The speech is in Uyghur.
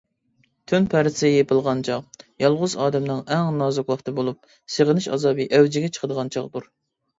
تۈن پەردىسى يېپىلغان چاغ يالغۇز ئادەمنىڭ ئەڭ نازۇك ۋاقتى بولۇپ، سېغىنىش ئازابى ئەۋجىگە چىقىدىغان چاغدۇر.